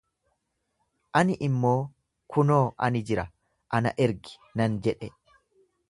Ani immoo kunoo ani jira, ana ergi nan jedhe.